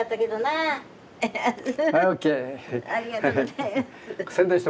ありがとうございます。